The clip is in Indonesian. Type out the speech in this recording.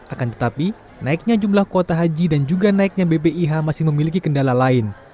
akan tetapi naiknya jumlah kuota haji dan juga naiknya bpih masih memiliki kendala lain